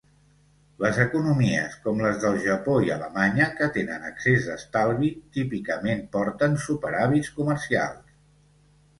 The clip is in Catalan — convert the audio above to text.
Les economies com les del Japó i Alemanya que tenen excés d'estalvi, típicament porten superàvits comercials.